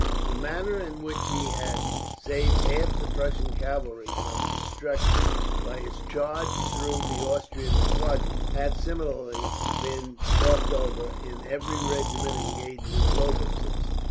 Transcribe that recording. The manner in which he had saved half the Prussian cavalry from destruction, by his charge through the Austrian squadron, had similarly been talked over, in every regiment engaged at Lobositz.